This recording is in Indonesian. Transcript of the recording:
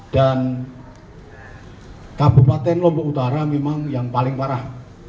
dan kabupaten lombok utara memang yang paling parah